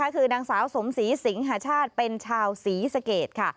คือนางสาวสมศรีสิงหาชาติเป็นชาวศรีสเกตค่ะ